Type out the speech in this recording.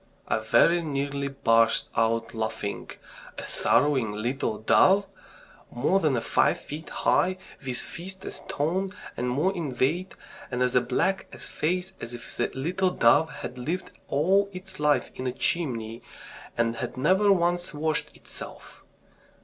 I very nearly burst out laughing. "A sorrowing little dove!" more than five feet high, with fists a stone and more in weight, and as black a face as if the little dove had lived all its life in a chimney, and had never once washed itself!